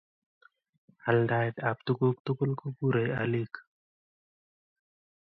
Altaet ab tuguk tugul kokurei alik